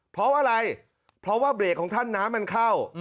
เพราะอะไรเพราะว่าเบรกของท่านน้ำมันเข้า